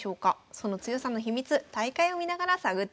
その強さの秘密大会を見ながら探っていきましょう。